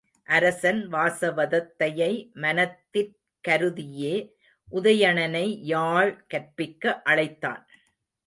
அரசன் வாசவதத்தையை மனத்திற் கருதியே உதயணனை யாழ் கற்பிக்க அழைத்தான்.